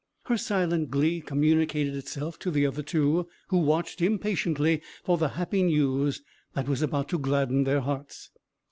Her silent glee communicated itself to the other two, who watched impatiently for the happy news that was about to gladden their hearts.